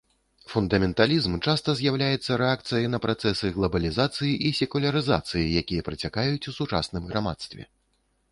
Фундаменталізм часта з'яўляецца рэакцыяй на працэсы глабалізацыі і секулярызацыі, якія працякаюць у сучасным грамадстве.